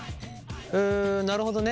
うんなるほどね。